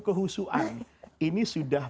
kehusuan ini sudah